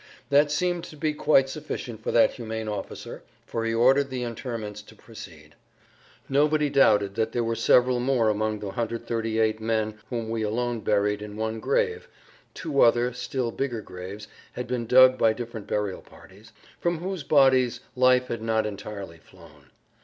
That seemed to be quite sufficient for that humane officer, for he ordered the interments to proceed. Nobody doubted that there were several more among the 138 men whom we alone buried in one grave (two other, still bigger, graves had been dug by different burial parties) from whose bodies life had not entirely flown.